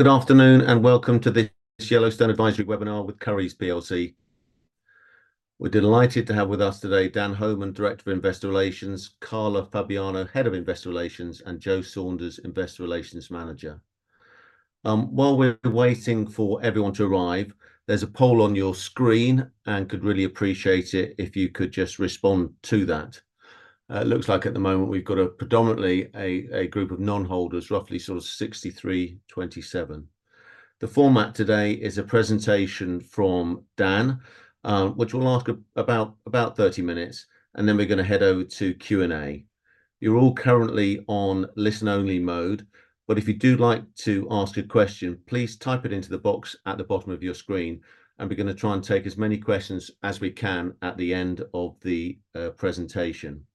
Good afternoon, and welcome to this Yellowstone Advisory Webinar with Currys PLC. We're delighted to have with us today Dan Homan, Director of Investor Relations, Carla Fabiano, Head of Investor Relations, and Joe Saunders, Investor Relations Manager. While we're waiting for everyone to arrive, there's a poll on your screen and could really appreciate it if you could just respond to that. It looks like at the moment we've got a predominantly group of non-holders, roughly sort of 63, 27. The format today is a presentation from Dan, which will last about 30 minutes, and then we're going to head over to Q&A. You're all currently on listen-only mode, but if you do like to ask a question, please type it into the box at the bottom of your screen, and we're going to try and take as many questions as we can at the end of the presentation.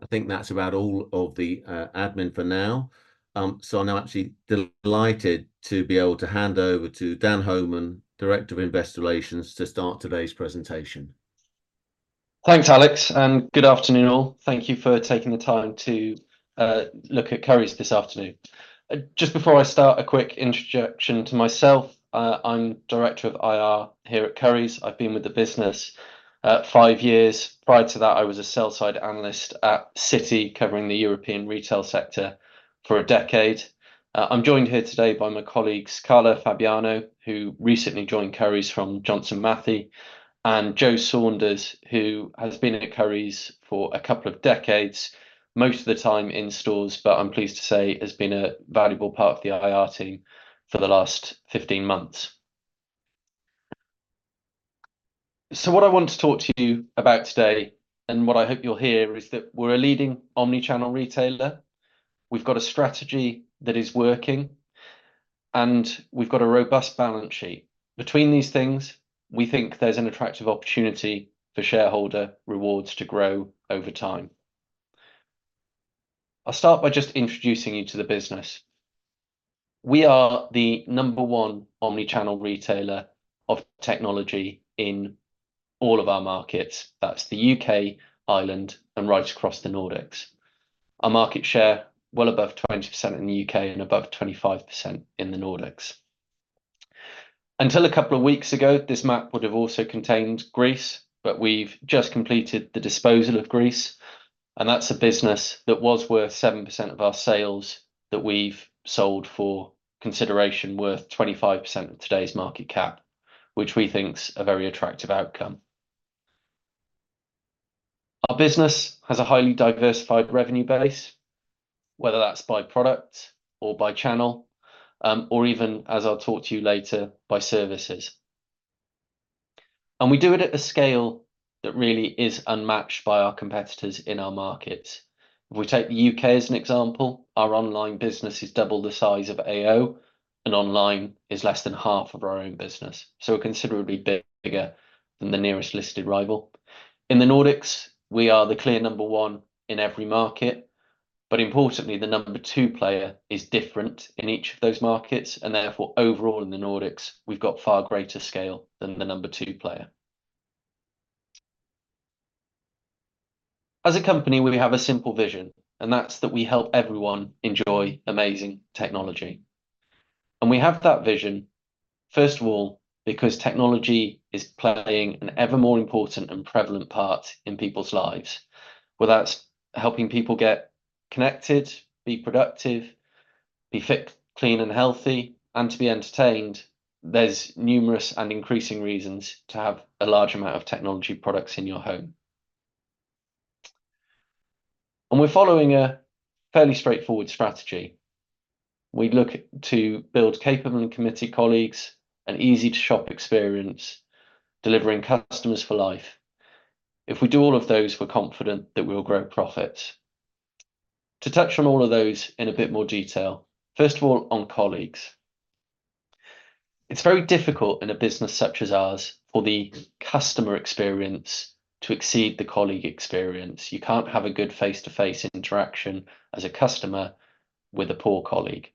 I think that's about all of the admin for now, so I'm now actually delighted to be able to hand over to Dan Homan, Director of Investor Relations, to start today's presentation. Thanks, Alex, and good afternoon all. Thank you for taking the time to look at Currys this afternoon. Just before I start, a quick introduction to myself: I'm Director of IR here at Currys. I've been with the business five years. Prior to that, I was a sell-side analyst at Citi, covering the European retail sector for a decade. I'm joined here today by my colleagues Carla Fabiano, who recently joined Currys from Johnson Matthey, and Joe Saunders, who has been at Currys for a couple of decades, most of the time in stores, but I'm pleased to say has been a valuable part of the IR team for the last 15 months. What I want to talk to you about today, and what I hope you'll hear, is that we're a leading omnichannel retailer. We've got a strategy that is working, and we've got a robust balance sheet. Between these things, we think there's an attractive opportunity for shareholder rewards to grow over time. I'll start by just introducing you to the business. We are the number one omnichannel retailer of technology in all of our markets. That's the U.K., Ireland, and right across the Nordics. Our market share is well above 20% in the U.K. and above 25% in the Nordics. Until a couple of weeks ago, this map would have also contained Greece, but we've just completed the disposal of Greece, and that's a business that was worth 7% of our sales that we've sold for consideration worth 25% of today's market cap, which we think is a very attractive outcome. Our business has a highly diversified revenue base, whether that's by product or by channel, or even, as I'll talk to you later, by services. We do it at a scale that really is unmatched by our competitors in our markets. If we take the U.K. as an example, our online business is double the size of AO, and online is less than half of our own business, so considerably bigger than the nearest listed rival. In the Nordics, we are the clear number one in every market, but importantly, the number two player is different in each of those markets, and therefore, overall in the Nordics, we've got far greater scale than the number two player. As a company, we have a simple vision, and that's that we help everyone enjoy amazing technology. We have that vision, first of all, because technology is playing an ever more important and prevalent part in people's lives. Whether that's helping people get connected, be productive, be fit, clean, and healthy, and to be entertained, there's numerous and increasing reasons to have a large amount of technology products in your home. We're following a fairly straightforward strategy. We look to build capable and committed colleagues, an easy-to-shop experience, delivering customers for life. If we do all of those, we're confident that we'll grow profits. To touch on all of those in a bit more detail, first of all, on colleagues. It's very difficult in a business such as ours for the customer experience to exceed the colleague experience. You can't have a good face-to-face interaction as a customer with a poor colleague.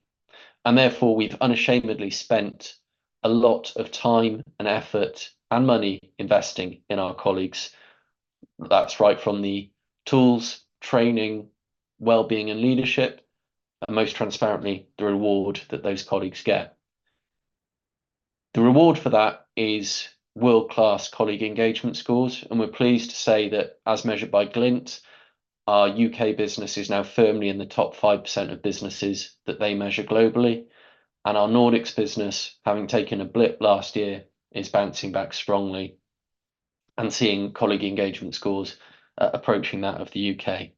And therefore, we've unashamedly spent a lot of time and effort and money investing in our colleagues. That's right from the tools, training, well-being, and leadership, and most transparently, the reward that those colleagues get. The reward for that is world-class colleague engagement scores, and we're pleased to say that, as measured by Glint, our U.K. business is now firmly in the top 5% of businesses that they measure globally, and our Nordics business, having taken a blip last year, is bouncing back strongly and seeing colleague engagement scores approaching that of the U.K.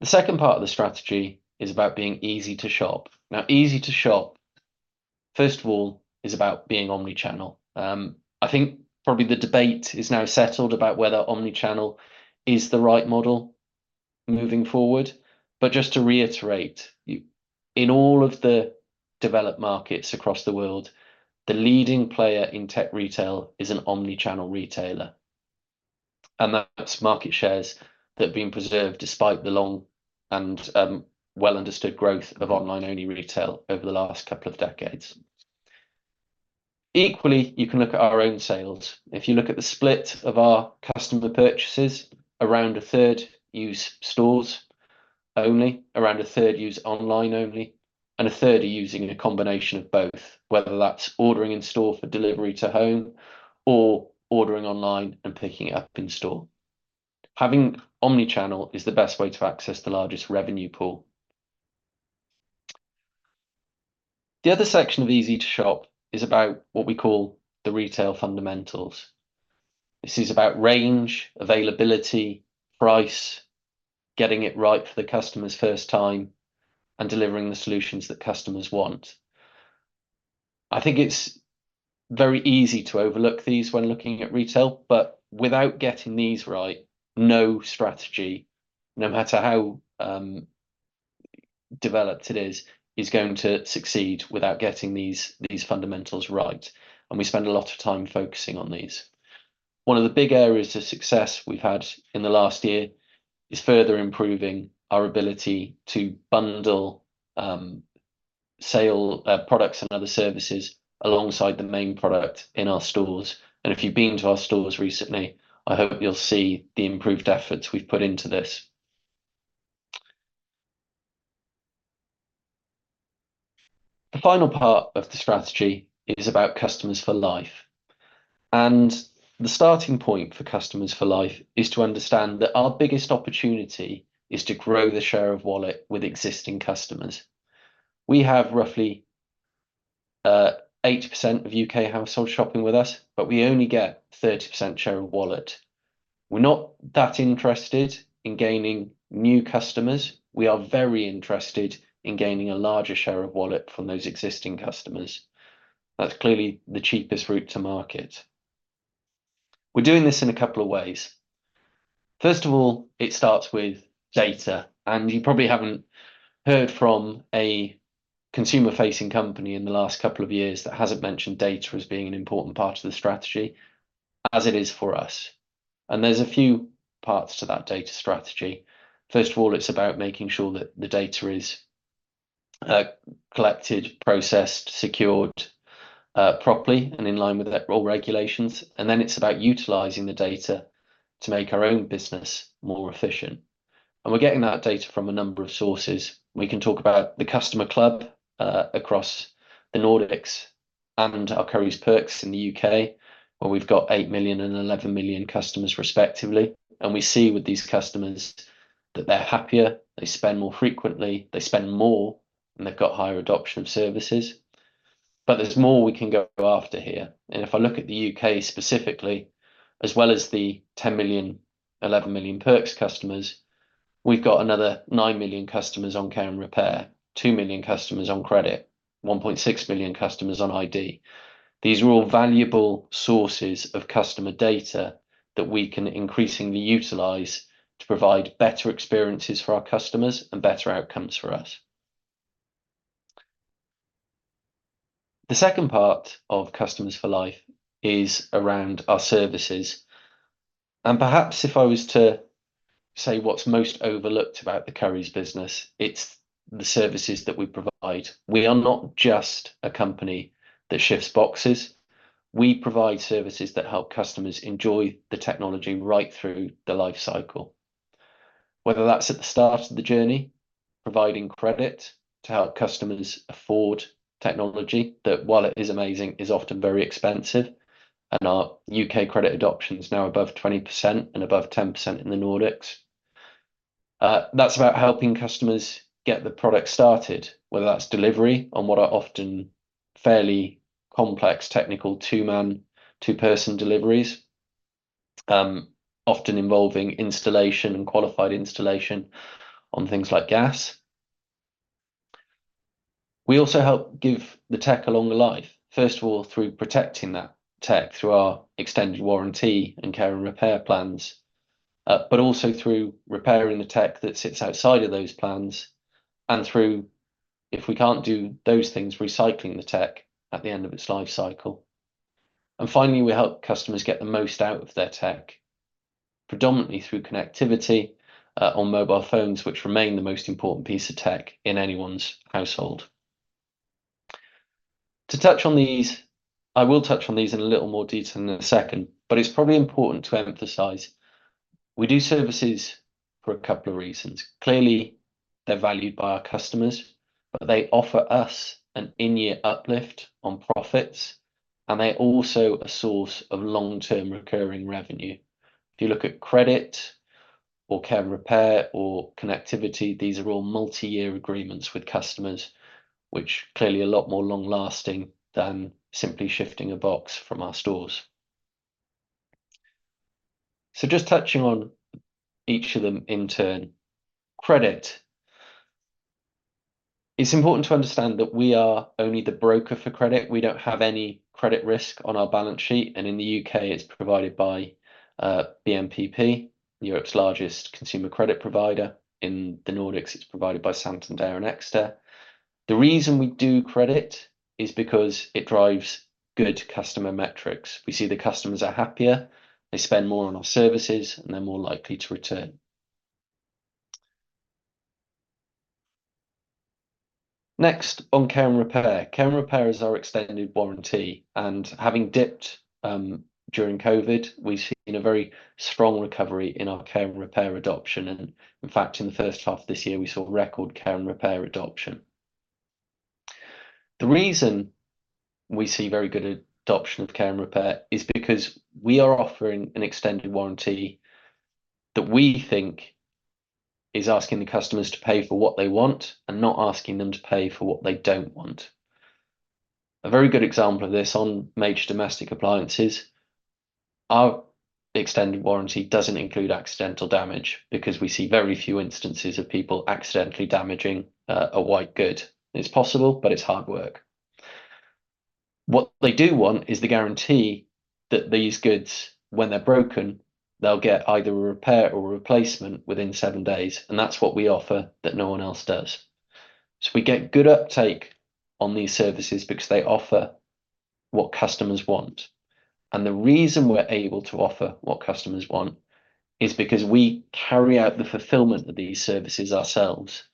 The second part of the strategy is about being easy to shop. Now, easy to shop, first of all, is about being omnichannel. I think probably the debate is now settled about whether omnichannel is the right model moving forward. But just to reiterate, in all of the developed markets across the world, the leading player in tech retail is an omnichannel retailer, and that's market shares that have been preserved despite the long and well-understood growth of online-only retail over the last couple of decades. Equally, you can look at our own sales. If you look at the split of our customer purchases, around a third use stores only, around a third use online only, and a third are using a combination of both, whether that's ordering in-store for delivery to home or ordering online and picking up in-store. Having omnichannel is the best way to access the largest revenue pool. The other section of easy to shop is about what we call the retail fundamentals. This is about range, availability, price, getting it right for the customer's first time, and delivering the solutions that customers want. I think it's very easy to overlook these when looking at retail, but without getting these right, no strategy, no matter how developed it is, is going to succeed without getting these fundamentals right, and we spend a lot of time focusing on these. One of the big areas of success we've had in the last year is further improving our ability to bundle products and other services alongside the main product in our stores. If you've been to our stores recently, I hope you'll see the improved efforts we've put into this. The final part of the strategy is about customers for life. The starting point for customers for life is to understand that our biggest opportunity is to grow the share of wallet with existing customers. We have roughly 8% of U.K. households shopping with us, but we only get a 30% share of wallet. We're not that interested in gaining new customers. We are very interested in gaining a larger share of wallet from those existing customers. That's clearly the cheapest route to market. We're doing this in a couple of ways. First of all, it starts with data, and you probably haven't heard from a consumer-facing company in the last couple of years that hasn't mentioned data as being an important part of the strategy, as it is for us. And there's a few parts to that data strategy. First of all, it's about making sure that the data is collected, processed, secured properly, and in line with all regulations. And then it's about utilizing the data to make our own business more efficient. And we're getting that data from a number of sources. We can talk about the Customer Club across the Nordics and our Currys Perks in the U.K., where we've got 8 million and 11 million customers, respectively. And we see with these customers that they're happier, they spend more frequently, they spend more, and they've got higher adoption of services. But there's more we can go after here. And if I look at the U.K. specifically, as well as the 10 million, 11 million Perks customers, we've got another 9 million customers on Care & Repair, 2 million customers on credit, 1.6 million customers on iD. These are all valuable sources of customer data that we can increasingly utilize to provide better experiences for our customers and better outcomes for us. The second part of customers for life is around our services. And perhaps if I was to say what's most overlooked about the Currys business, it's the services that we provide. We are not just a company that shifts boxes. We provide services that help customers enjoy the technology right through the life cycle, whether that's at the start of the journey, providing credit to help customers afford technology that, while it is amazing, is often very expensive, and our U.K. credit adoption is now above 20% and above 10% in the Nordics. That's about helping customers get the product started, whether that's delivery on what are often fairly complex technical two-man, two-person deliveries, often involving installation and qualified installation on things like gas. We also help give the tech a longer life, first of all, through protecting that tech through our extended warranty and Care & Repair plans, but also through repairing the tech that sits outside of those plans, and through, if we can't do those things, recycling the tech at the end of its life cycle. Finally, we help customers get the most out of their tech, predominantly through connectivity on mobile phones, which remain the most important piece of tech in anyone's household. To touch on these, I will touch on these in a little more detail in a second, but it's probably important to emphasize we do services for a couple of reasons. Clearly, they're valued by our customers, but they offer us an in-year uplift on profits, and they're also a source of long-term recurring revenue. If you look at credit or Care & Repair or connectivity, these are all multi-year agreements with customers, which are clearly a lot more long-lasting than simply shifting a box from our stores. Just touching on each of them in turn. Credit. It's important to understand that we are only the broker for credit. We don't have any credit risk on our balance sheet, and in the U.K., it's provided by BNPP, Europe's largest consumer credit provider. In the Nordics, it's provided by Santander and Ecster. The reason we do credit is because it drives good customer metrics. We see the customers are happier, they spend more on our services, and they're more likely to return. Next, on Care & Repair. Care & Repair is our extended warranty, and having dipped during COVID, we've seen a very strong recovery in our Care & Repair adoption. And in fact, in the first half of this year, we saw record Care & Repair adoption. The reason we see very good adoption of Care and Repair is because we are offering an extended warranty that we think is asking the customers to pay for what they want and not asking them to pay for what they don't want. A very good example of this on major domestic appliances. Our extended warranty doesn't include accidental damage because we see very few instances of people accidentally damaging a white good. It's possible, but it's hard work. What they do want is the guarantee that these goods, when they're broken, they'll get either a repair or a replacement within seven days, and that's what we offer that no one else does. So we get good uptake on these services because they offer what customers want. And the reason we're able to offer what customers want is because we carry out the fulfillment of these services ourselves.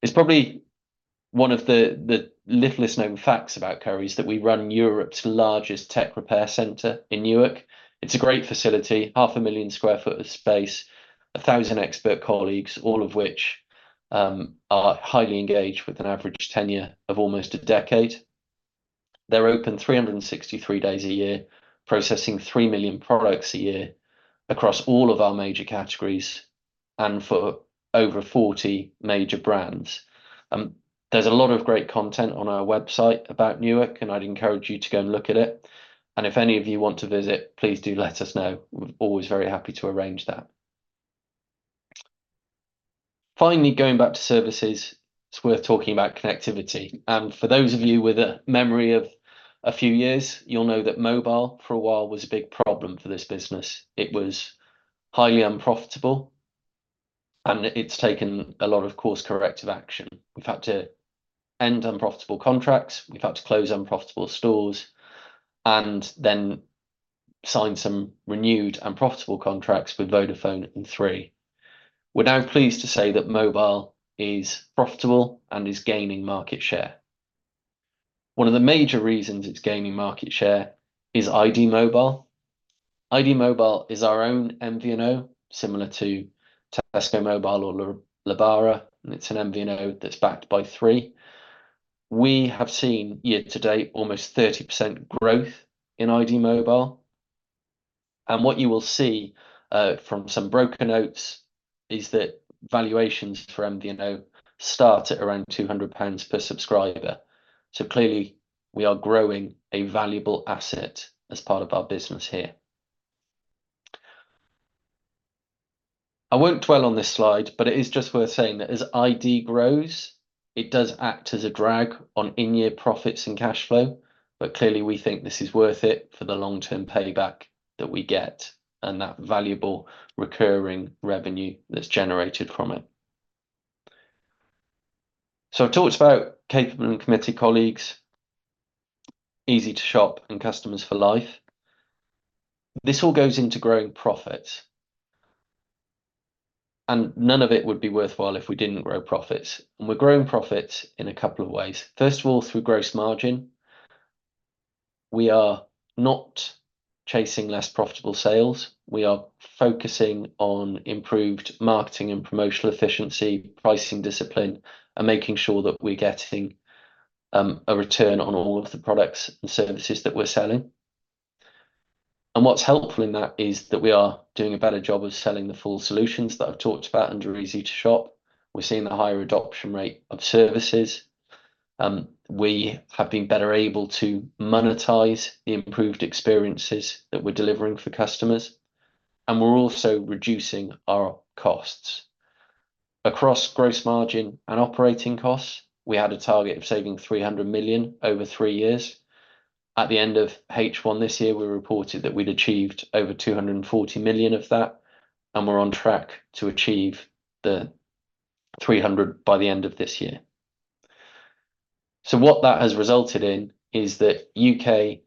It's probably one of the least-known facts about Currys that we run Europe's largest tech repair center in Newark. It's a great facility, 500,000 sq ft of space, 1,000 expert colleagues, all of which are highly engaged with an average tenure of almost a decade. They're open 363 days a year, processing 3 million products a year across all of our major categories and for over 40 major brands. There's a lot of great content on our website about Newark, and I'd encourage you to go and look at it. If any of you want to visit, please do let us know. We're always very happy to arrange that. Finally, going back to services, it's worth talking about connectivity. For those of you with a memory of a few years, you'll know that mobile for a while was a big problem for this business. It was highly unprofitable, and it's taken a lot of course-corrective action. We've had to end unprofitable contracts, we've had to close unprofitable stores, and then sign some renewed unprofitable contracts with Vodafone and Three. We're now pleased to say that mobile is profitable and is gaining market share. One of the major reasons it's gaining market share is iD Mobile. iD Mobile is our own MVNO, similar to Tesco Mobile or Lebara, and it's an MVNO that's backed by Three. We have seen, year to date, almost 30% growth in iD Mobile. And what you will see from some broker notes is that valuations for MVNO start at around 200 pounds per subscriber. So clearly, we are growing a valuable asset as part of our business here. I won't dwell on this slide, but it is just worth saying that as iD grows, it does act as a drag on in-year profits and cash flow, but clearly, we think this is worth it for the long-term payback that we get and that valuable recurring revenue that's generated from it. So I've talked about capable and committed colleagues, easy to shop, and customers for life. This all goes into growing profits, and none of it would be worthwhile if we didn't grow profits. And we're growing profits in a couple of ways. First of all, through gross margin. We are not chasing less profitable sales. We are focusing on improved marketing and promotional efficiency, pricing discipline, and making sure that we're getting a return on all of the products and services that we're selling. What's helpful in that is that we are doing a better job of selling the full solutions that I've talked about under easy to shop. We're seeing the higher adoption rate of services. We have been better able to monetize the improved experiences that we're delivering for customers, and we're also reducing our costs. Across gross margin and operating costs, we had a target of saving 300 million over three years. At the end of H1 this year, we reported that we'd achieved over 240 million of that, and we're on track to achieve the 300 million by the end of this year. So what that has resulted in is that in the U.K.,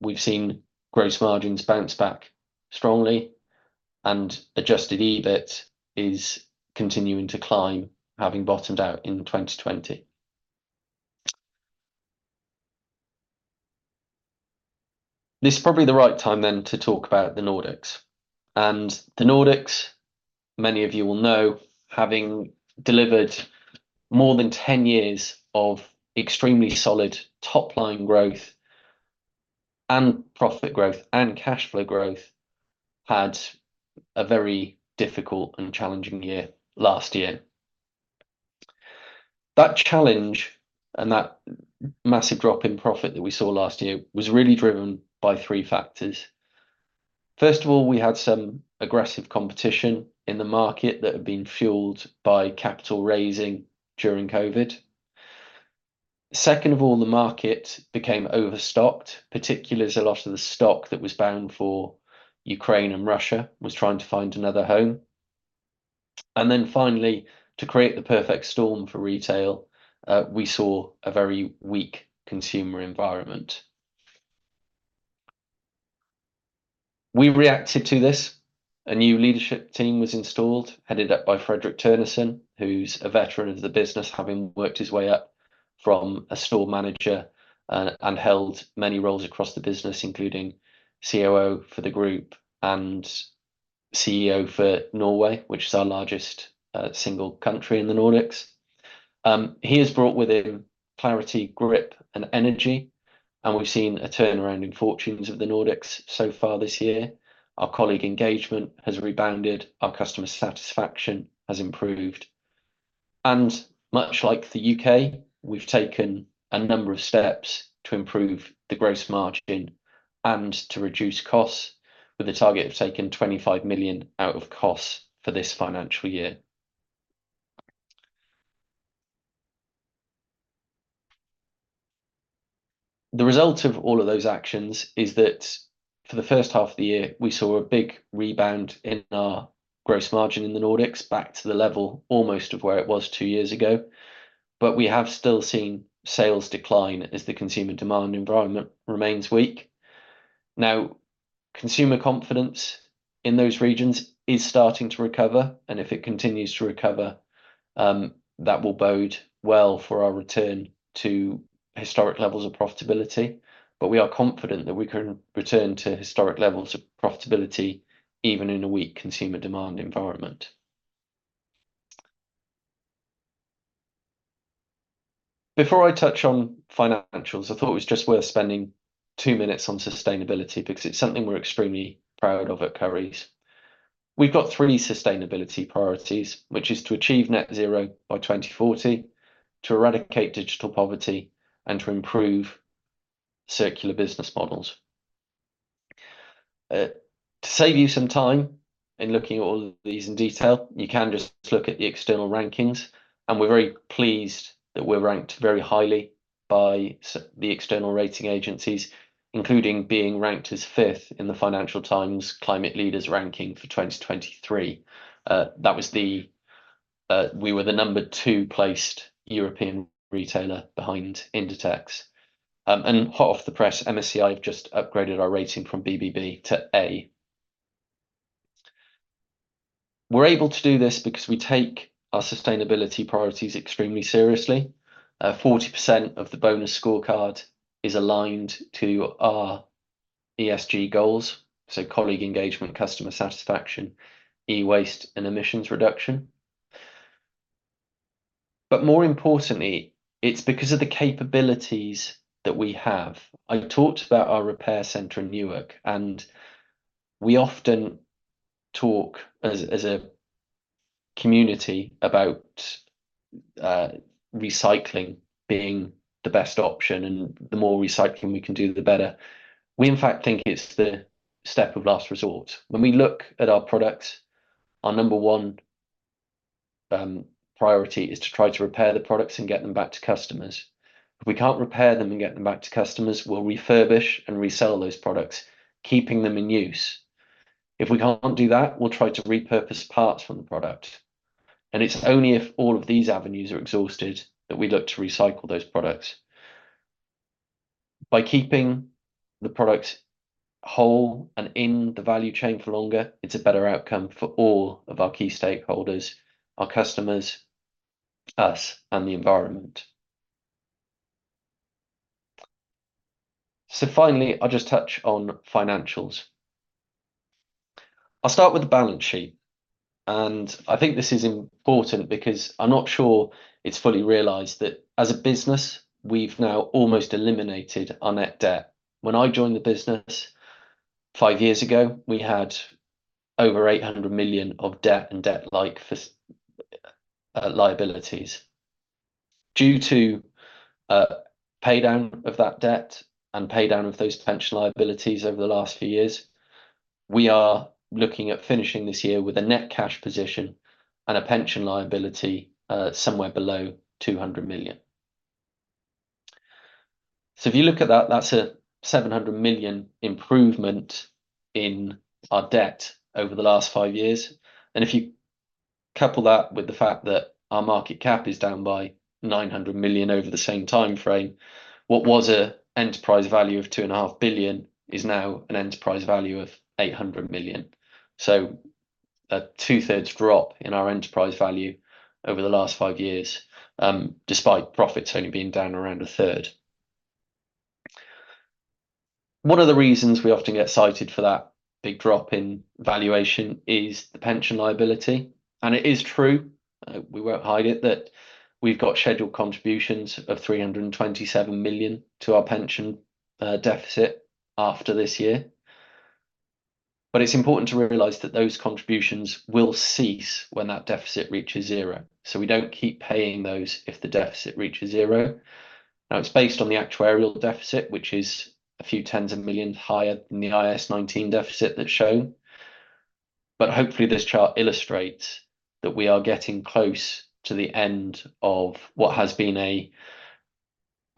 we've seen gross margins bounce back strongly, and adjusted EBIT is continuing to climb, having bottomed out in 2020. This is probably the right time, then, to talk about the Nordics. The Nordics, many of you will know, having delivered more than 10 years of extremely solid top-line growth and profit growth and cash flow growth, had a very difficult and challenging year last year. That challenge and that massive drop in profit that we saw last year was really driven by three factors. First of all, we had some aggressive competition in the market that had been fuelled by capital raising during COVID. Second of all, the market became overstocked, particularly as a lot of the stock that was bound for Ukraine and Russia was trying to find another home. And then finally, to create the perfect storm for retail, we saw a very weak consumer environment. We reacted to this. A new leadership team was installed, headed up by Fredrik Tønnesen, who's a veteran of the business, having worked his way up from a store manager and held many roles across the business, including COO for the group and CEO for Norway, which is our largest single country in the Nordics. He has brought with him clarity, grip, and energy, and we've seen a turnaround in fortunes of the Nordics so far this year. Our colleague engagement has rebounded, our customer satisfaction has improved. Much like the U.K., we've taken a number of steps to improve the gross margin and to reduce costs, with a target of taking 25 million out of costs for this financial year. The result of all of those actions is that for the first half of the year, we saw a big rebound in our gross margin in the Nordics, back to the level almost of where it was two years ago. But we have still seen sales decline as the consumer demand environment remains weak. Now, consumer confidence in those regions is starting to recover, and if it continues to recover, that will bode well for our return to historic levels of profitability. But we are confident that we can return to historic levels of profitability even in a weak consumer demand environment. Before I touch on financials, I thought it was just worth spending two minutes on sustainability because it's something we're extremely proud of at Currys. We've got three sustainability priorities, which are to achieve net zero by 2040, to eradicate digital poverty, and to improve circular business models. To save you some time in looking at all of these in detail, you can just look at the external rankings, and we're very pleased that we're ranked very highly by the external rating agencies, including being ranked as fifth in the Financial Times Climate Leaders ranking for 2023. We were the number two placed European retailer behind Inditex. And hot off the press, MSCI have just upgraded our rating from BBB to A. We're able to do this because we take our sustainability priorities extremely seriously. 40% of the bonus scorecard is aligned to our ESG goals, so colleague engagement, customer satisfaction, e-waste, and emissions reduction. But more importantly, it's because of the capabilities that we have. I talked about our repair center in Newark, and we often talk as a community about recycling being the best option, and the more recycling we can do, the better. We, in fact, think it's the step of last resort. When we look at our products, our number one priority is to try to repair the products and get them back to customers. If we can't repair them and get them back to customers, we'll refurbish and resell those products, keeping them in use. If we can't do that, we'll try to repurpose parts from the product. And it's only if all of these avenues are exhausted that we look to recycle those products. By keeping the products whole and in the value chain for longer, it's a better outcome for all of our key stakeholders, our customers, us, and the environment. So finally, I'll just touch on financials. I'll start with the balance sheet, and I think this is important because I'm not sure it's fully realized that as a business, we've now almost eliminated our net debt. When I joined the business five years ago, we had over 800 million of debt and debt-like liabilities. Due to paydown of that debt and paydown of those pension liabilities over the last few years, we are looking at finishing this year with a net cash position and a pension liability somewhere below 200 million. So if you look at that, that's a 700 million improvement in our debt over the last five years. And if you couple that with the fact that our market cap is down by 900 million over the same timeframe, what was an enterprise value of 2.5 billion is now an enterprise value of 800 million. So a 2/3 drop in our enterprise value over the last five years, despite profits only being down around a third. One of the reasons we often get cited for that big drop in valuation is the pension liability. It is true, we won't hide it, that we've got scheduled contributions of 327 million to our pension deficit after this year. It's important to realize that those contributions will cease when that deficit reaches zero, so we don't keep paying those if the deficit reaches zero. Now, it's based on the actuarial deficit, which is a few tens of millions higher than the IAS 19 deficit that's shown. Hopefully, this chart illustrates that we are getting close to the end of what has been a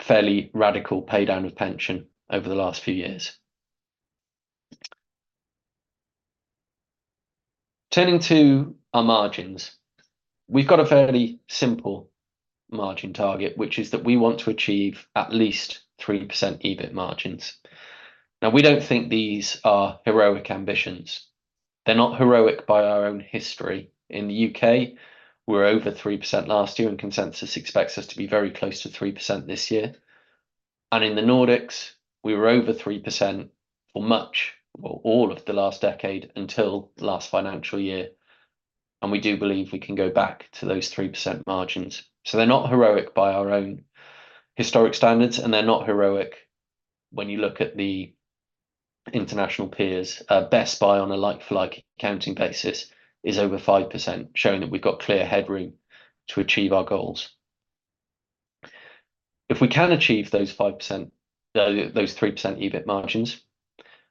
fairly radical paydown of pension over the last few years. Turning to our margins, we've got a fairly simple margin target, which is that we want to achieve at least 3% EBIT margins. Now, we don't think these are heroic ambitions. They're not heroic by our own history. In the U.K., we were over 3% last year, and consensus expects us to be very close to 3% this year. In the Nordics, we were over 3% for much or all of the last decade until last financial year. We do believe we can go back to those 3% margins. They're not heroic by our own historic standards, and they're not heroic when you look at the international peers. Best Buy on a like-for-like accounting basis is over 5%, showing that we've got clear headroom to achieve our goals. If we can achieve those 3% EBIT margins,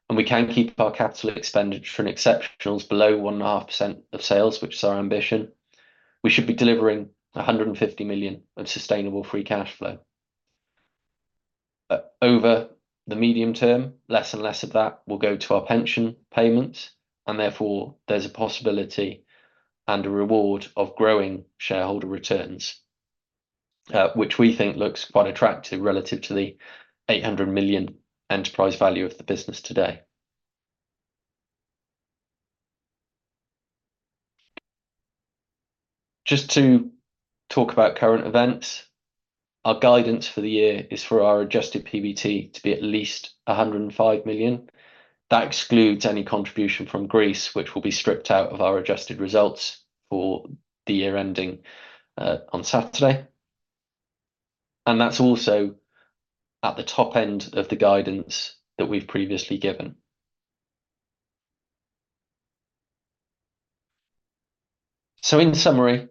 and we can keep our capital expenditure and exceptionals below 1.5% of sales, which is our ambition, we should be delivering 150 million of sustainable free cash flow. Over the medium term, less and less of that will go to our pension payments, and therefore there's a possibility and a reward of growing shareholder returns, which we think looks quite attractive relative to the 800 million enterprise value of the business today. Just to talk about current events, our guidance for the year is for our adjusted PBT to be at least 105 million. That excludes any contribution from Greece, which will be stripped out of our adjusted results for the year ending on Saturday. And that's also at the top end of the guidance that we've previously given. So in summary,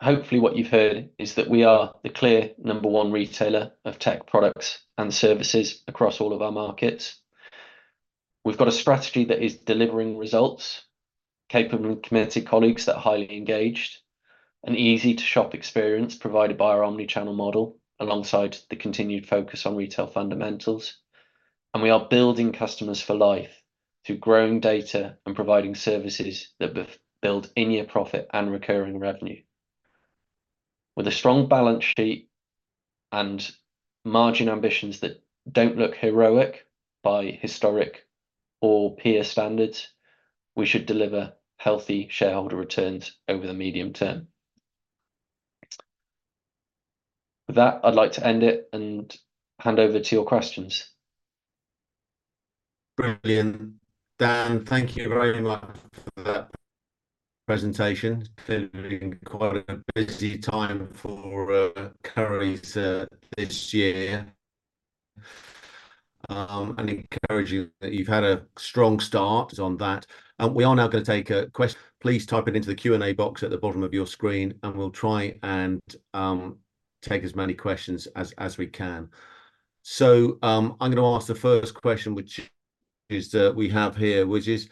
hopefully what you've heard is that we are the clear number one retailer of tech products and services across all of our markets. We've got a strategy that is delivering results, capable and committed colleagues that are highly engaged, an easy-to-shop experience provided by our omnichannel model alongside the continued focus on retail fundamentals. We are building customers for life through growing data and providing services that build in-year profit and recurring revenue. With a strong balance sheet and margin ambitions that don't look heroic by historic or peer standards, we should deliver healthy shareholder returns over the medium term. With that, I'd like to end it and hand over to your questions. Brilliant. Dan, thank you very much for that presentation. Clearly, quite a busy time for Currys this year. Encouraging that you've had a strong start. On that. We are now going to take a question. Please type it into the Q&A box at the bottom of your screen, and we'll try and take as many questions as we can. So I'm going to ask the first question, which is that we have here, which is: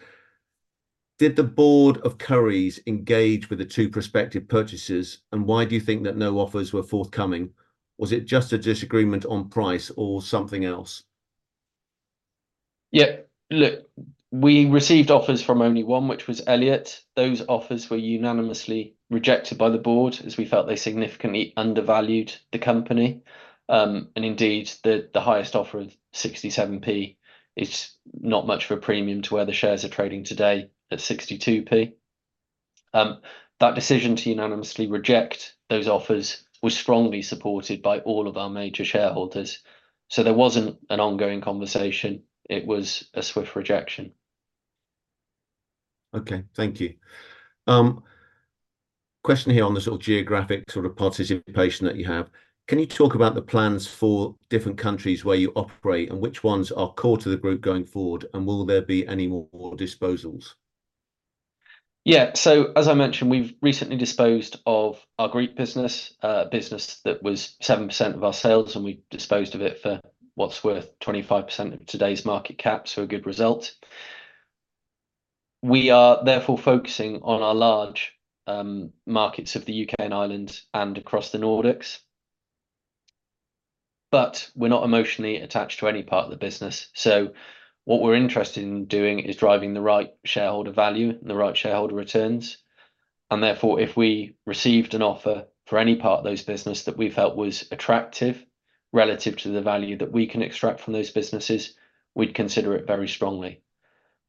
Did the board of Currys engage with the two prospective purchasers, and why do you think that no offers were forthcoming? Was it just a disagreement on price or something else? Yeah. Look, we received offers from only one, which was Elliott. Those offers were unanimously rejected by the board as we felt they significantly undervalued the company. And indeed, the highest offer of 67p is not much of a premium to where the shares are trading today at 62p. That decision to unanimously reject those offers was strongly supported by all of our major shareholders. So there wasn't an ongoing conversation. It was a swift rejection. Okay. Thank you. Question here on the sort of geographic sort of participation that you have. Can you talk about the plans for different countries where you operate, and which ones are core to the group going forward, and will there be any more disposals? Yeah. So as I mentioned, we've recently disposed of our Greek business, a business that was 7% of our sales, and we disposed of it for what's worth 25% of today's market cap, so a good result. We are therefore focusing on our large markets of the U.K. and Ireland and across the Nordics. But we're not emotionally attached to any part of the business. So what we're interested in doing is driving the right shareholder value and the right shareholder returns. Therefore, if we received an offer for any part of those business that we felt was attractive relative to the value that we can extract from those businesses, we'd consider it very strongly.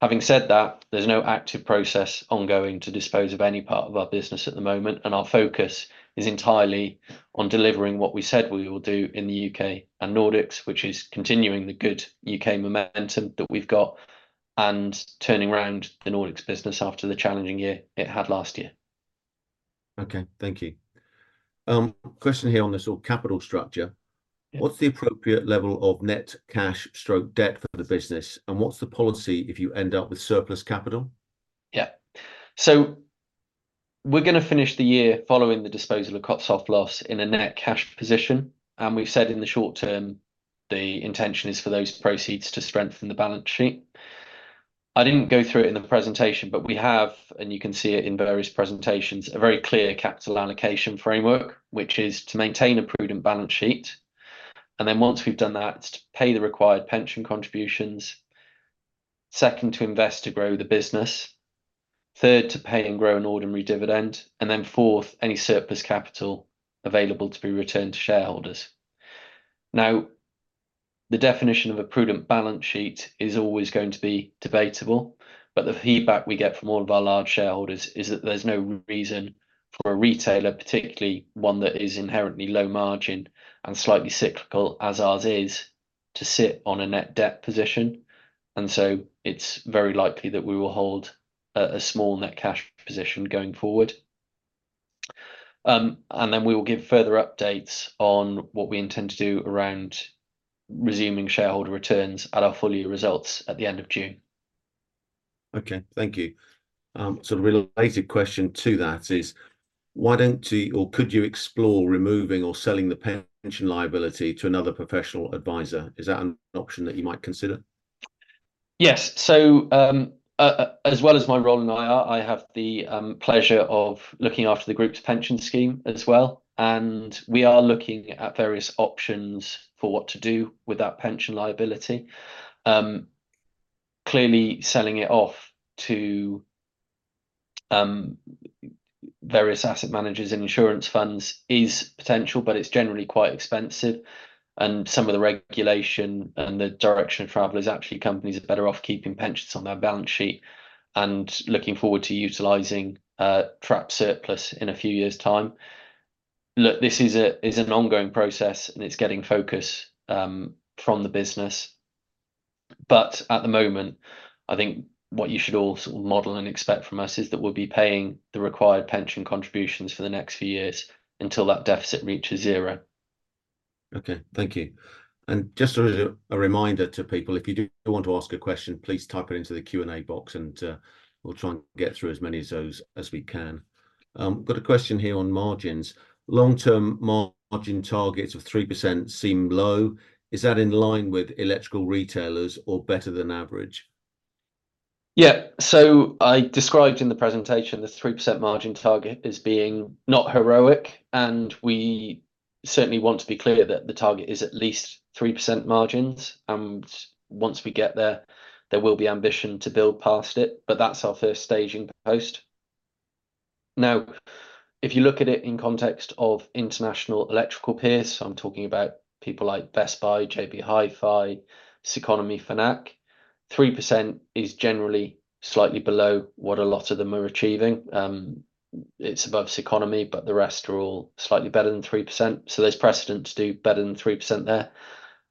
Having said that, there's no active process ongoing to dispose of any part of our business at the moment, and our focus is entirely on delivering what we said we will do in the U.K. and Nordics, which is continuing the good U.K. momentum that we've got and turning round the Nordics business after the challenging year it had last year. Okay. Thank you. Question here on the sort of capital structure. What's the appropriate level of net cash/debt for the business, and what's the policy if you end up with surplus capital? Yeah. So we're going to finish the year following the disposal of Kotsovolos in a net cash position, and we've said in the short term the intention is for those proceeds to strengthen the balance sheet. I didn't go through it in the presentation, but we have, and you can see it in various presentations, a very clear capital allocation framework, which is to maintain a prudent balance sheet. And then once we've done that, it's to pay the required pension contributions. Second, to invest to grow the business. Third, to pay and grow an ordinary dividend. And then fourth, any surplus capital available to be returned to shareholders. Now, the definition of a prudent balance sheet is always going to be debatable, but the feedback we get from all of our large shareholders is that there's no reason for a retailer, particularly one that is inherently low margin and slightly cyclical as ours is, to sit on a net debt position. And so it's very likely that we will hold a small net cash position going forward. And then we will give further updates on what we intend to do around resuming shareholder returns at our full year results at the end of June. Okay. Thank you. Sort of related question to that is: why don't you or could you explore removing or selling the pension liability to another professional advisor? Is that an option that you might consider? Yes. So as well as my role and I are, I have the pleasure of looking after the group's pension scheme as well. And we are looking at various options for what to do with that pension liability. Clearly, selling it off to various asset managers and insurance funds is potential, but it's generally quite expensive. And some of the regulation and the direction of travel is actually companies are better off keeping pensions on their balance sheet and looking forward to utilizing trapped surplus in a few years' time. Look, this is an ongoing process, and it's getting focus from the business. But at the moment, I think what you should all sort of model and expect from us is that we'll be paying the required pension contributions for the next few years until that deficit reaches zero. Okay. Thank you. Just as a reminder to people, if you do want to ask a question, please type it into the Q&A box, and we'll try and get through as many of those as we can. Got a question here on margins. Long-term margin targets of 3% seem low. Is that in line with electrical retailers or better than average? Yeah. So I described in the presentation the 3% margin target as being not heroic, and we certainly want to be clear that the target is at least 3% margins. And once we get there, there will be ambition to build past it, but that's our first staging post. Now, if you look at it in context of international electrical peers, I'm talking about people like Best Buy, JB Hi-Fi, CECONOMY, Fnac, 3% is generally slightly below what a lot of them are achieving. It's above CECONOMY, but the rest are all slightly better than 3%. So there's precedent to do better than 3% there.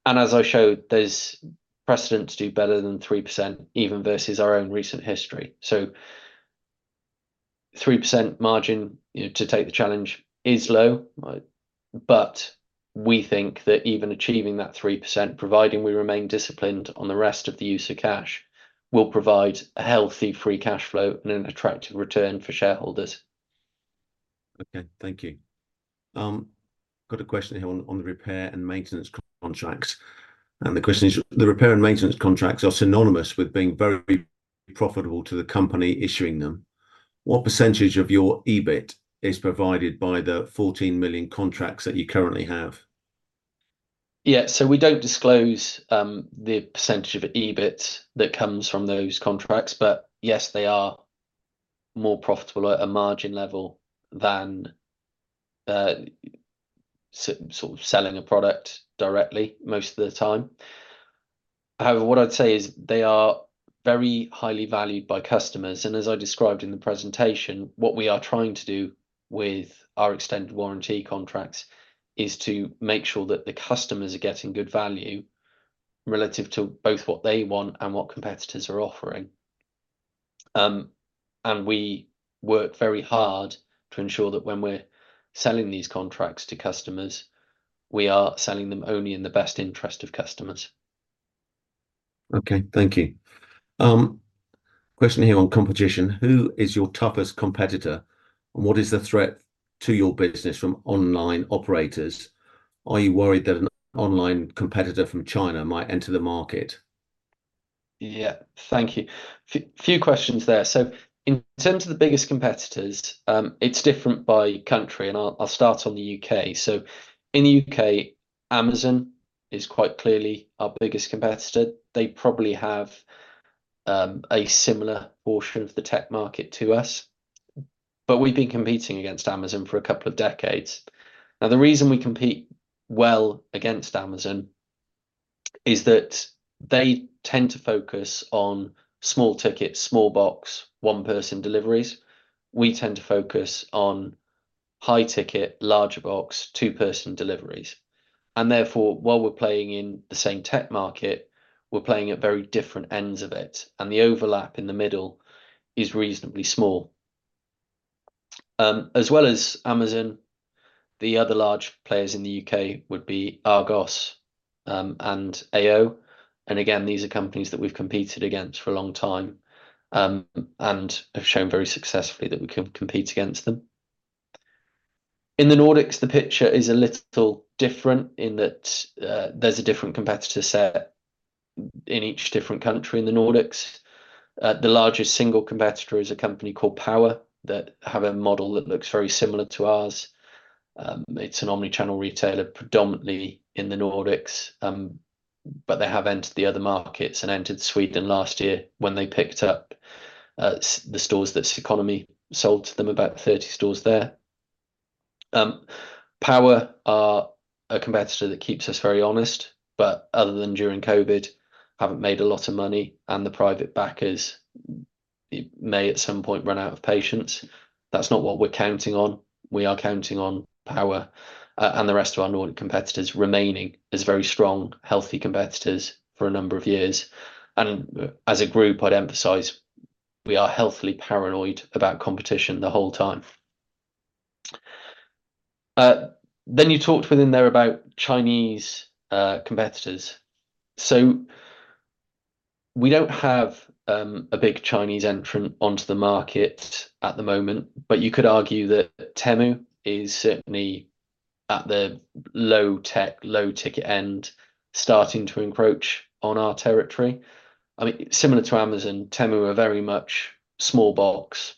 And as I showed, there's precedent to do better than 3% even versus our own recent history. 3% margin, to take the challenge, is low, but we think that even achieving that 3%, providing we remain disciplined on the rest of the use of cash, will provide a healthy free cash flow and an attractive return for shareholders. Okay. Thank you. Got a question here on the repair and maintenance contracts. The question is: the repair and maintenance contracts are synonymous with being very profitable to the company issuing them. What percentage of your EBIT is provided by the 14 million contracts that you currently have? Yeah. So we don't disclose the percentage of EBIT that comes from those contracts, but yes, they are more profitable at a margin level than sort of selling a product directly most of the time. However, what I'd say is they are very highly valued by customers. And as I described in the presentation, what we are trying to do with our extended warranty contracts is to make sure that the customers are getting good value relative to both what they want and what competitors are offering. And we work very hard to ensure that when we're selling these contracts to customers, we are selling them only in the best interest of customers. Okay. Thank you. Question here on competition. Who is your toughest competitor, and what is the threat to your business from online operators? Are you worried that an online competitor from China might enter the market? Yeah. Thank you. A few questions there. So in terms of the biggest competitors, it's different by country, and I'll start on the U.K. So in the U.K., Amazon is quite clearly our biggest competitor. They probably have a similar portion of the tech market to us, but we've been competing against Amazon for a couple of decades. Now, the reason we compete well against Amazon is that they tend to focus on small ticket, small box, one-person deliveries. We tend to focus on high ticket, larger box, two-person deliveries. And therefore, while we're playing in the same tech market, we're playing at very different ends of it, and the overlap in the middle is reasonably small. As well as Amazon, the other large players in the U.K. would be Argos and AO. These are companies that we've competed against for a long time and have shown very successfully that we can compete against them. In the Nordics, the picture is a little different in that there's a different competitor set in each different country in the Nordics. The largest single competitor is a company called Power that has a model that looks very similar to ours. It's an omnichannel retailer predominantly in the Nordics, but they have entered the other markets and entered Sweden last year when they picked up the stores that CECONOMY sold to them, about 30 stores there. Power are a competitor that keeps us very honest, but other than during COVID, haven't made a lot of money, and the private backers may at some point run out of patience. That's not what we're counting on. We are counting on Power and the rest of our Nordic competitors remaining as very strong, healthy competitors for a number of years. And as a group, I'd emphasize, we are healthily paranoid about competition the whole time. Then you talked within there about Chinese competitors. So we don't have a big Chinese entrant onto the market at the moment, but you could argue that Temu is certainly at the low tech, low ticket end starting to encroach on our territory. I mean, similar to Amazon, Temu are very much small box,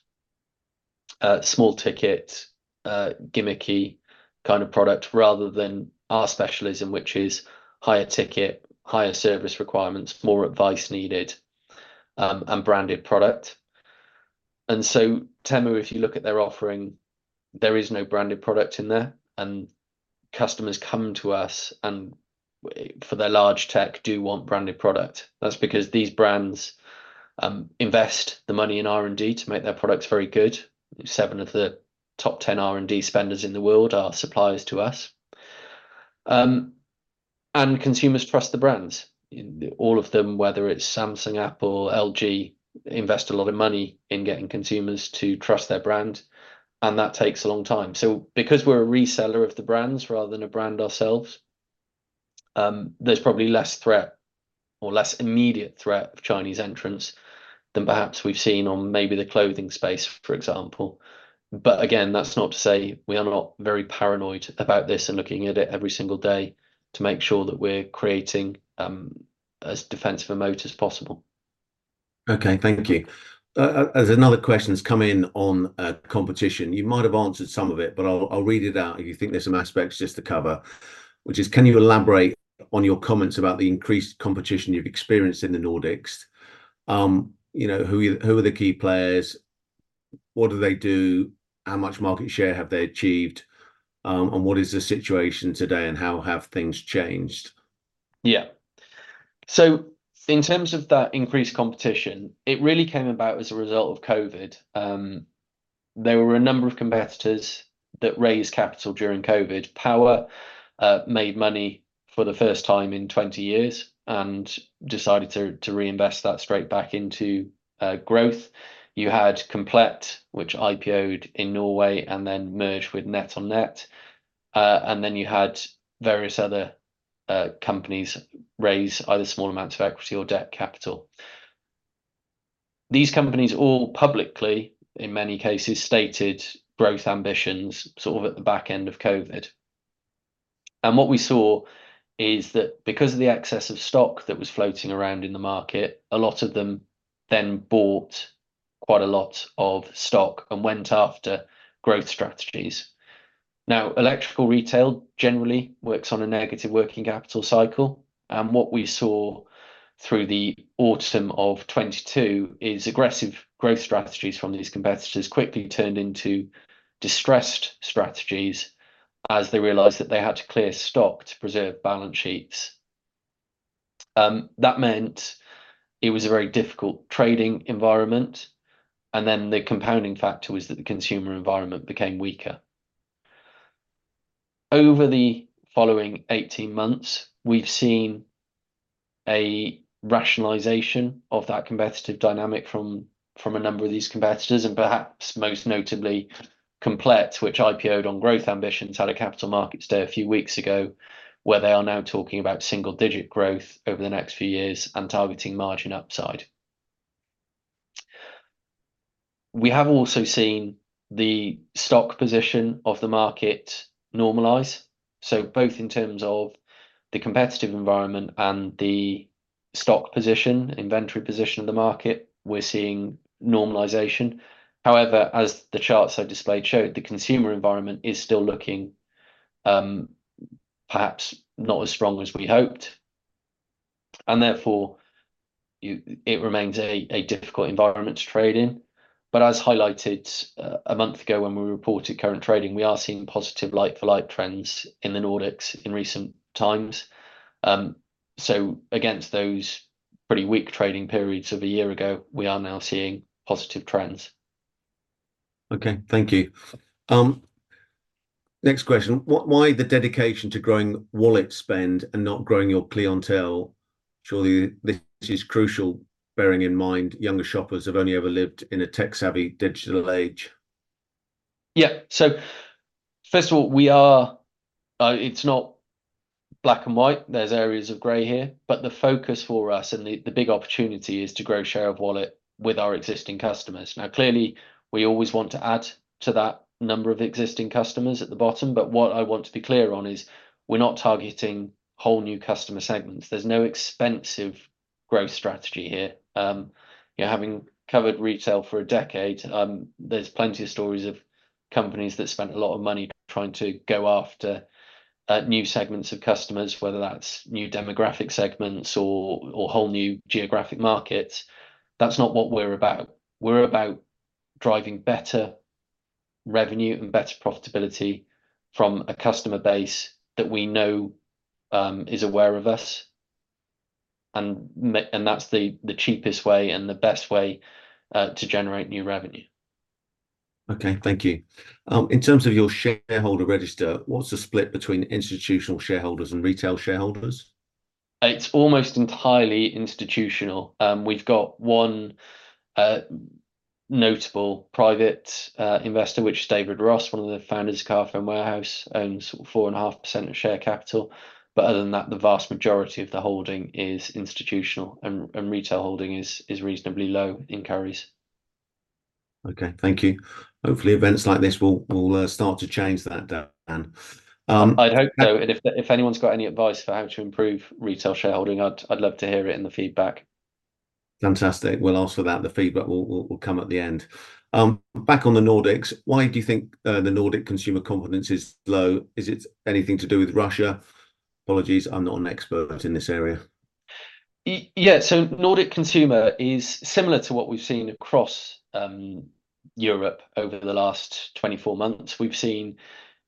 small ticket, gimmicky kind of product rather than our specialism, which is higher ticket, higher service requirements, more advice needed, and branded product. And so Temu, if you look at their offering, there is no branded product in there, and customers come to us and for their large tech do want branded product. That's because these brands invest the money in R&D to make their products very good. Seven of the top 10 R&D spenders in the world are suppliers to us. And consumers trust the brands. All of them, whether it's Samsung, Apple, LG, invest a lot of money in getting consumers to trust their brand, and that takes a long time. So because we're a reseller of the brands rather than a brand ourselves, there's probably less threat or less immediate threat of Chinese entrance than perhaps we've seen on maybe the clothing space, for example. But again, that's not to say we are not very paranoid about this and looking at it every single day to make sure that we're creating as defensive a moat as possible. Okay. Thank you. There's another question that's come in on competition. You might have answered some of it, but I'll read it out if you think there's some aspects just to cover, which is: can you elaborate on your comments about the increased competition you've experienced in the Nordics? Who are the key players? What do they do? How much market share have they achieved? And what is the situation today, and how have things changed? Yeah. So in terms of that increased competition, it really came about as a result of COVID. There were a number of competitors that raised capital during COVID. Power made money for the first time in 20 years and decided to reinvest that straight back into growth. You had Komplett, which IPOed in Norway and then merged with NetOnNet. And then you had various other companies raise either small amounts of equity or debt capital. These companies all publicly, in many cases, stated growth ambitions sort of at the back end of COVID. And what we saw is that because of the excess of stock that was floating around in the market, a lot of them then bought quite a lot of stock and went after growth strategies. Now, electrical retail generally works on a negative working capital cycle. What we saw through the autumn of 2022 is aggressive growth strategies from these competitors quickly turned into distressed strategies as they realized that they had to clear stock to preserve balance sheets. That meant it was a very difficult trading environment, and then the compounding factor was that the consumer environment became weaker. Over the following 18 months, we've seen a rationalization of that competitive dynamic from a number of these competitors, and perhaps most notably, Komplett, which IPOed on growth ambitions, had a capital markets day a few weeks ago where they are now talking about single-digit growth over the next few years and targeting margin upside. We have also seen the stock position of the market normalize. Both in terms of the competitive environment and the stock position, inventory position of the market, we're seeing normalization. However, as the charts I displayed showed, the consumer environment is still looking perhaps not as strong as we hoped. And therefore, it remains a difficult environment to trade in. But as highlighted a month ago when we reported current trading, we are seeing positive like-for-like trends in the Nordics in recent times. So against those pretty weak trading periods of a year ago, we are now seeing positive trends. Okay. Thank you. Next question. Why the dedication to growing wallet spend and not growing your clientele? Surely this is crucial, bearing in mind younger shoppers have only ever lived in a tech-savvy digital age. Yeah. So first of all, it's not black and white. There's areas of gray here. But the focus for us and the big opportunity is to grow share of wallet with our existing customers. Now, clearly, we always want to add to that number of existing customers at the bottom. But what I want to be clear on is we're not targeting whole new customer segments. There's no expensive growth strategy here. Having covered retail for a decade, there's plenty of stories of companies that spent a lot of money trying to go after new segments of customers, whether that's new demographic segments or whole new geographic markets. That's not what we're about. We're about driving better revenue and better profitability from a customer base that we know is aware of us, and that's the cheapest way and the best way to generate new revenue. Okay. Thank you. In terms of your shareholder register, what's the split between institutional shareholders and retail shareholders? It's almost entirely institutional. We've got one notable private investor, which is David Ross, one of the founders of Carphone Warehouse, owns sort of 4.5% of share capital. But other than that, the vast majority of the holding is institutional, and retail holding is reasonably low in Currys. Okay. Thank you. Hopefully, events like this will start to change that, Dan. I'd hope so. If anyone's got any advice for how to improve retail shareholding, I'd love to hear it in the feedback. Fantastic. We'll ask for that. The feedback will come at the end. Back on the Nordics, why do you think the Nordic consumer confidence is low? Is it anything to do with Russia? Apologies, I'm not an expert in this area. Yeah. So Nordic consumer is similar to what we've seen across Europe over the last 24 months. We've seen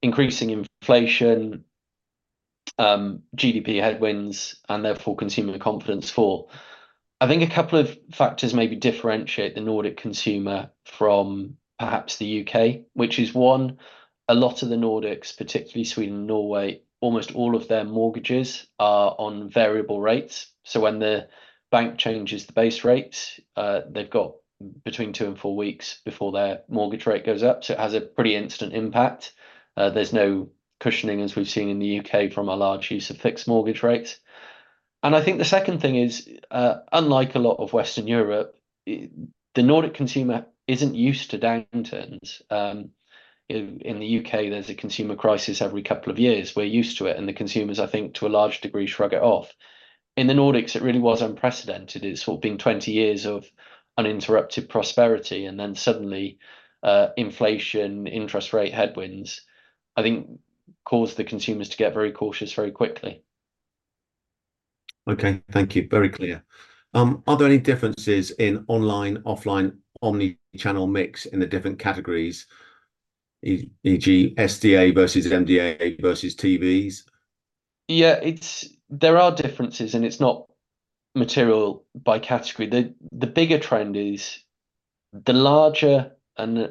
increasing inflation, GDP headwinds, and therefore consumer confidence fall. I think a couple of factors maybe differentiate the Nordic consumer from perhaps the U.K., which is one, a lot of the Nordics, particularly Sweden and Norway, almost all of their mortgages are on variable rates. So when the bank changes the base rates, they've got between two and four weeks before their mortgage rate goes up. So it has a pretty instant impact. There's no cushioning, as we've seen in the U.K., from a large use of fixed mortgage rates. And I think the second thing is, unlike a lot of Western Europe, the Nordic consumer isn't used to downturns. In the U.K., there's a consumer crisis every couple of years. We're used to it, and the consumers, I think, to a large degree, shrug it off. In the Nordics, it really was unprecedented. It's sort of been 20 years of uninterrupted prosperity, and then suddenly inflation, interest rate headwinds, I think, caused the consumers to get very cautious very quickly. Okay. Thank you. Very clear. Are there any differences in online, offline, omnichannel mix in the different categories, e.g., SDA versus MDA versus TVs? Yeah. There are differences, and it's not material by category. The bigger trend is the larger an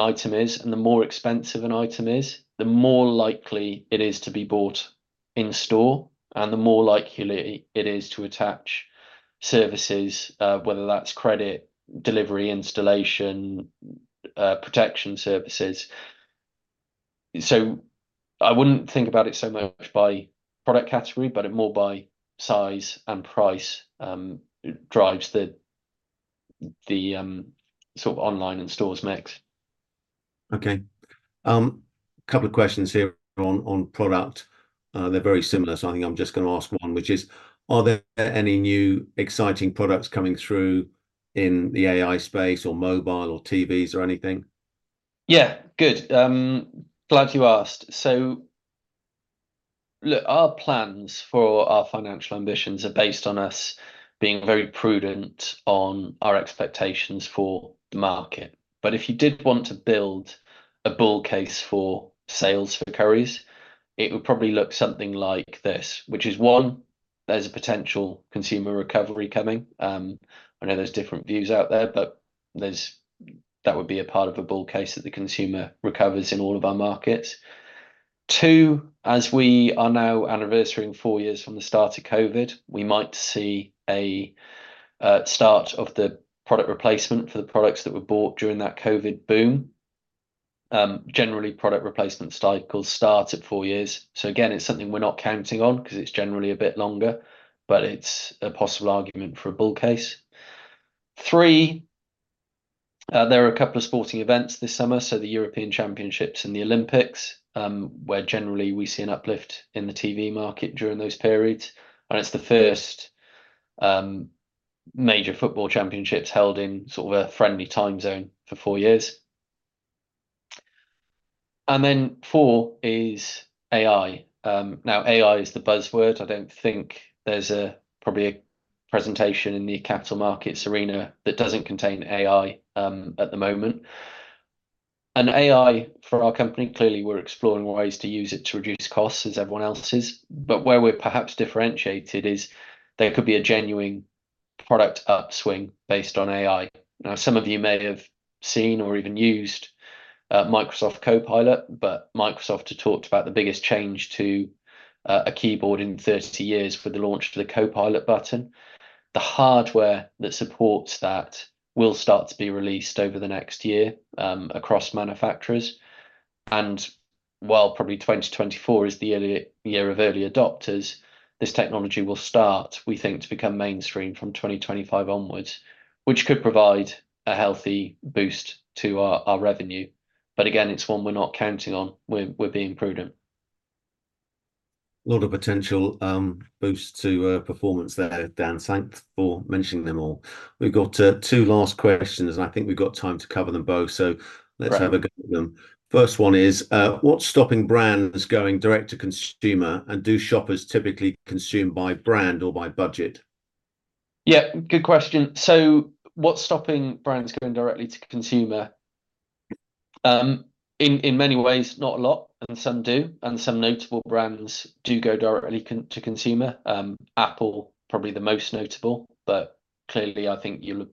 item is and the more expensive an item is, the more likely it is to be bought in-store and the more likely it is to attach services, whether that's credit, delivery, installation, protection services. So I wouldn't think about it so much by product category, but more by size and price drives the sort of online and stores mix. Okay. Couple of questions here on product. They're very similar, so I think I'm just going to ask one, which is: are there any new exciting products coming through in the AI space or mobile or TVs or anything? Yeah. Good. Glad you asked. So look, our plans for our financial ambitions are based on us being very prudent on our expectations for the market. But if you did want to build a bull case for sales for Currys, it would probably look something like this, which is, one, there's a potential consumer recovery coming. I know there's different views out there, but that would be a part of a bull case that the consumer recovers in all of our markets. Two, as we are now anniversarying four years from the start of COVID, we might see a start of the product replacement for the products that were bought during that COVID boom. Generally, product replacement cycles start at four years. So again, it's something we're not counting on because it's generally a bit longer, but it's a possible argument for a bull case. Three, there are a couple of sporting events this summer, so the European Championships and the Olympics, where generally we see an uplift in the TV market during those periods. And it's the first major football championships held in sort of a friendly time zone for four years. And then four is AI. Now, AI is the buzzword. I don't think there's probably a presentation in the capital markets arena that doesn't contain AI at the moment. And AI, for our company, clearly we're exploring ways to use it to reduce costs as everyone else is. But where we're perhaps differentiated is there could be a genuine product upswing based on AI. Now, some of you may have seen or even used Microsoft Copilot, but Microsoft talked about the biggest change to a keyboard in 30 years with the launch of the Copilot button. The hardware that supports that will start to be released over the next year across manufacturers. While probably 2024 is the year of early adopters, this technology will start, we think, to become mainstream from 2025 onwards, which could provide a healthy boost to our revenue. Again, it's one we're not counting on. We're being prudent. Lots of potential boosts to performance there, Dan. Thanks for mentioning them all. We've got two last questions, and I think we've got time to cover them both, so let's have a go at them. First one is: what's stopping brands going direct to consumer, and do shoppers typically consume by brand or by budget? Yeah. Good question. So what's stopping brands going directly to consumer? In many ways, not a lot, and some do. And some notable brands do go directly to consumer. Apple, probably the most notable. But clearly, I think you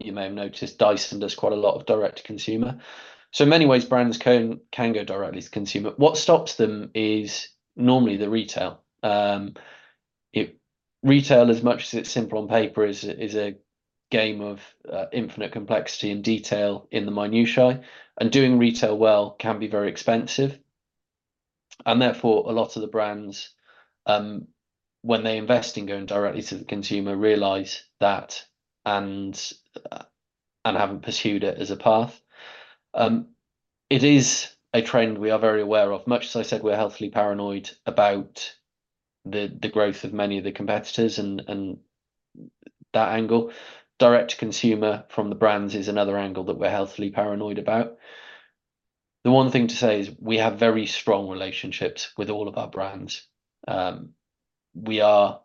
may have noticed, Dyson does quite a lot of direct to consumer. So in many ways, brands can go directly to consumer. What stops them is normally the retail. Retail, as much as it's simple on paper, is a game of infinite complexity and detail in the minutiae. And doing retail well can be very expensive. And therefore, a lot of the brands, when they invest in going directly to the consumer, realize that and haven't pursued it as a path. It is a trend we are very aware of. Much as I said, we're healthily paranoid about the growth of many of the competitors and that angle. Direct to consumer from the brands is another angle that we're healthily paranoid about. The one thing to say is we have very strong relationships with all of our brands. We are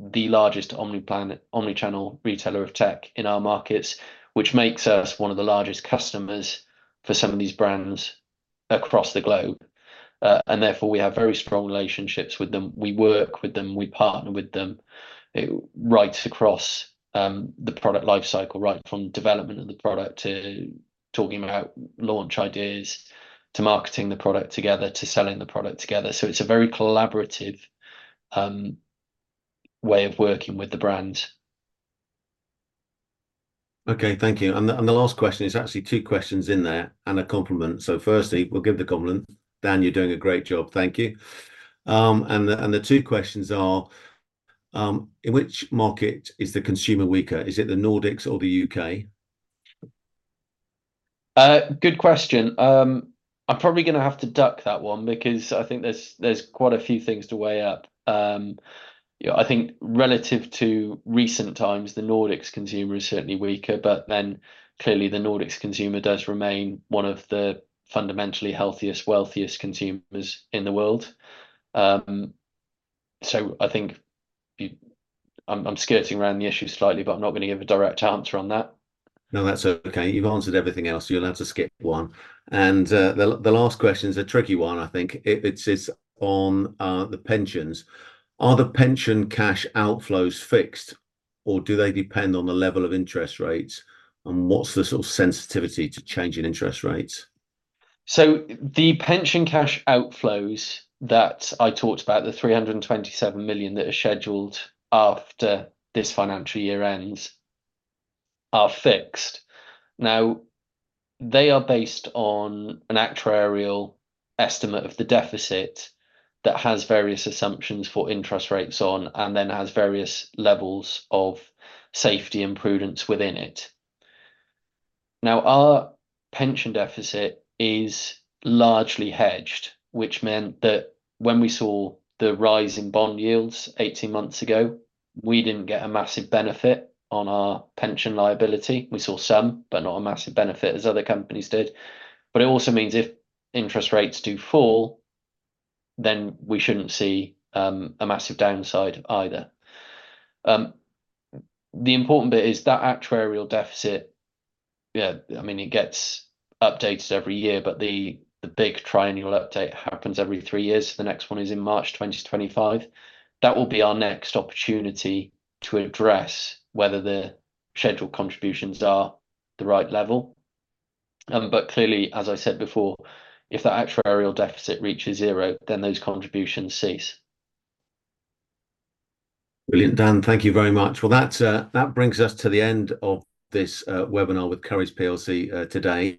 the largest omnichannel retailer of tech in our markets, which makes us one of the largest customers for some of these brands across the globe. And therefore, we have very strong relationships with them. We work with them. We partner with them. It runs across the product lifecycle, right from development of the product to talking about launch ideas, to marketing the product together, to selling the product together. So it's a very collaborative way of working with the brands. Okay. Thank you. And the last question is actually two questions in there and a compliment. So firstly, we'll give the compliment. Dan, you're doing a great job. Thank you. And the two questions are: in which market is the consumer weaker? Is it the Nordics or the U.K.? Good question. I'm probably going to have to duck that one because I think there's quite a few things to weigh up. I think relative to recent times, the Nordics consumer is certainly weaker. But then clearly, the Nordics consumer does remain one of the fundamentally healthiest, wealthiest consumers in the world. So I think I'm skirting around the issue slightly, but I'm not going to give a direct answer on that. No, that's okay. You've answered everything else. You're allowed to skip one. And the last question's a tricky one, I think. It says on the pensions. Are the pension cash outflows fixed, or do they depend on the level of interest rates, and what's the sort of sensitivity to changing interest rates? So the pension cash outflows that I talked about, the 327 million that are scheduled after this financial year ends, are fixed. Now, they are based on an actuarial estimate of the deficit that has various assumptions for interest rates on and then has various levels of safety and prudence within it. Now, our pension deficit is largely hedged, which meant that when we saw the rise in bond yields 18 months ago, we didn't get a massive benefit on our pension liability. We saw some, but not a massive benefit as other companies did. But it also means if interest rates do fall, then we shouldn't see a massive downside either. The important bit is that actuarial deficit, yeah, I mean, it gets updated every year, but the big triennial update happens every three years. The next one is in March 2025. That will be our next opportunity to address whether the scheduled contributions are the right level. But clearly, as I said before, if that actuarial deficit reaches zero, then those contributions cease. Brilliant, Dan. Thank you very much. Well, that brings us to the end of this webinar with Currys PLC today.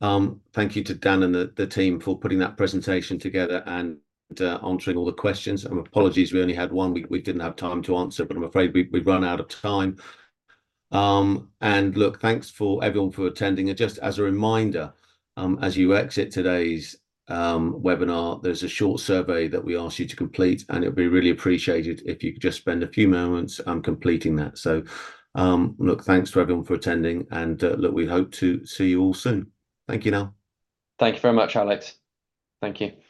Thank you to Dan and the team for putting that presentation together and answering all the questions. Apologies, we only had one. We didn't have time to answer, but I'm afraid we've run out of time. Look, thanks for everyone for attending. And just as a reminder, as you exit today's webinar, there's a short survey that we ask you to complete, and it'll be really appreciated if you could just spend a few moments completing that. So look, thanks to everyone for attending. And look, we hope to see you all soon. Thank you, Dan. Thank you very much, Alex. Thank you.